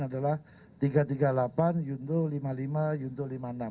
adalah tiga ratus tiga puluh delapan yunto lima puluh lima yunto lima puluh enam